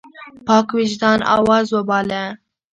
پاک وجدان آواز وباله.